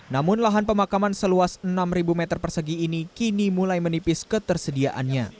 namun lahan pemakaman seluas enam meter persegi ini kini mulai menipis ketersediaannya